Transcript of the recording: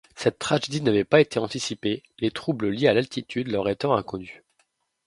Cette tragédie n'avait pas été anticipée, les troubles liés à l'altitude leur étant inconnus.